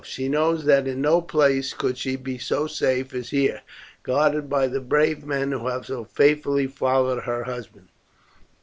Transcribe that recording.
She knows that in no place could she be so safe as here, guarded by the brave men who have so faithfully followed her husband."